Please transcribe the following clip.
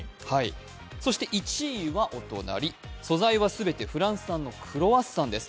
１位は、素材は全てフランス産のクロワッサンです。